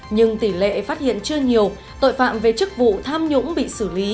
nhưng tỷ lệ phát hiện chưa nhiều tội phạm về chức vụ tham nhũng bị xử lý